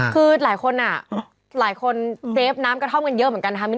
คือหลายคนอ่ะหลายคนเซฟน้ำกระท่อมกันเยอะเหมือนกันนะคะ